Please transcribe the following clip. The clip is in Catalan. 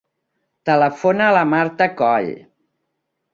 Telefona a la Marta Coll.